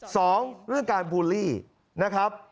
สองเรื่องการบูลลี่นะครับ